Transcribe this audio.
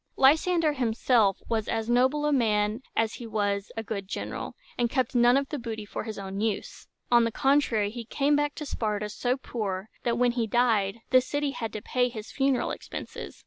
Lysander himself was as noble a man as he was a good general, and kept none of the booty for his own use. On the contrary, he came back to Sparta so poor, that, when he died, the city had to pay his funeral expenses.